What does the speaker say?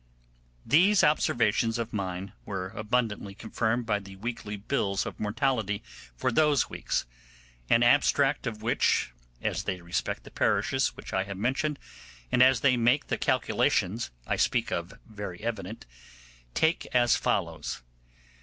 These observations of mine were abundantly confirmed by the weekly bills of mortality for those weeks, an abstract of which, as they respect the parishes which I have mentioned and as they make the calculations I speak of very evident, take as follows.